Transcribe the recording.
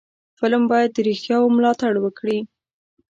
فلم باید د رښتیاو ملاتړ وکړي